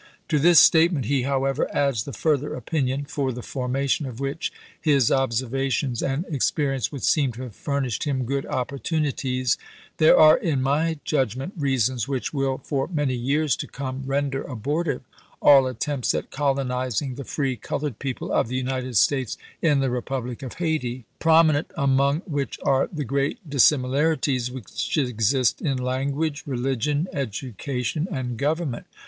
To this statement he, however, adds the further opinion, for the formation of which his observations and experience would seem to have furnished him good opportunities :" There are, in my judgment, reasons which will, for many years to come, render abortive all attempts at colonizing the free colored people of the United States in the republic of Hayti; prominent among which are the great dissimilarities which exist in language, re ligion, education, and government."